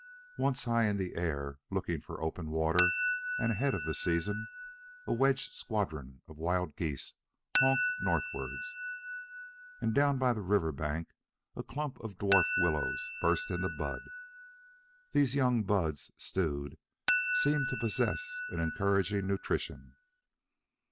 Once, high in the air, looking for open water and ahead of the season, a wedged squadron of wild geese honked northwards. And down by the river bank a clump of dwarf willows burst into bud. These young buds, stewed, seemed to posess an encouraging nutrition.